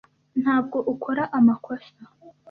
Ntabwo ukora amakosa.